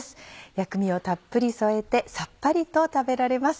薬味をたっぷり添えてさっぱりと食べられます。